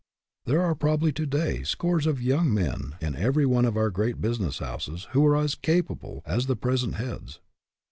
There are probably to day scores of young men in every one of our great business houses who are as capable as the present heads.